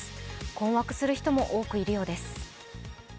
困惑する人も多くいるようです。